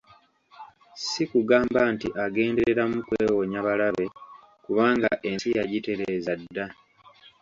Si kugamba nti agendereramu kwewonya balabe, kubanga ensi yagitereeza dda.